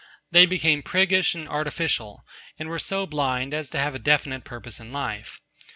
They became priggish and artificial, and were so blind as to have a definite purpose in life.